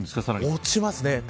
落ちますね。